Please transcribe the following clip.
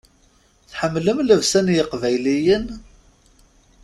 Tḥemmlem llebsa n yeqbayliyen?